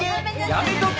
やめとけ！